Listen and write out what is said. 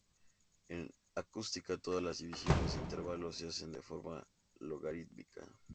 En acústica, todas las divisiones de intervalos se hacen de forma logarítmica.